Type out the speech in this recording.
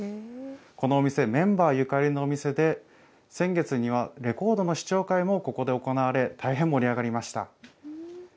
このお店、メンバーゆかりのお店で、先月にはレコードの試聴会もここで行われ、大変盛り上がりました。